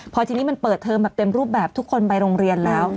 พอทีนี้มันเปิดเทอมแบบเต็มรูปแบบทุกคนไปโรงเรียนแล้ว